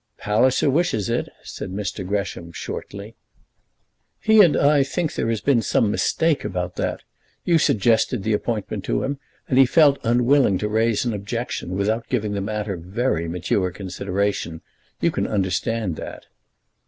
"Palliser wishes it," said Mr. Gresham, shortly. "He and I think that there has been some mistake about that. You suggested the appointment to him, and he felt unwilling to raise an objection without giving the matter very mature consideration. You can understand that."